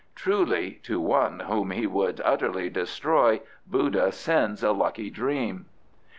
Truly, "To one whom he would utterly destroy Buddha sends a lucky dream."